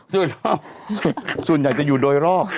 ส่วนรอบส่วนใหญ่จะอยู่โดยรอบ